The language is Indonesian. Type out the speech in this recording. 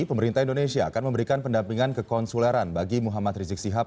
pemerintah indonesia akan memberikan pendampingan ke konsuleran bagi muhammad rizik shihab